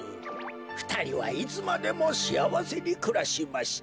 ふたりはいつまでもしあわせにくらしました」。